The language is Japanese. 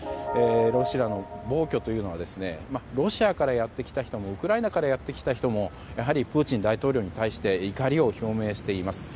ロシアの暴挙というのはロシアからやってきた人もウクライナからやってきた人もやはりプーチン大統領に対して怒りを表明しています。